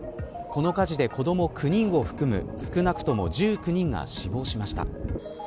この火事で子ども９人を含む少なくとも１９人が死亡しました。